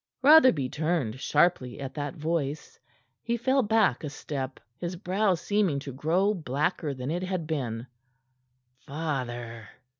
Rotherby turned sharply at that voice. He fell back a step, his brow seeming to grow blacker than it had been. "Father!"